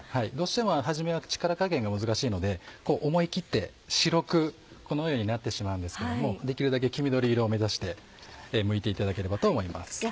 どうしてもはじめは力加減が難しいので思い切って白くこのようになってしまうんですけどもできるだけ黄緑色を目指してむいていただければと思います。